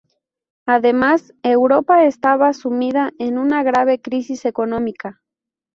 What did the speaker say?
Además, Europa estaba sumida en una grave crisis económica.